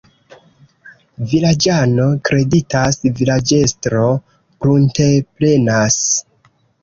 Vilaĝano kreditas, vilaĝestro prunteprenas.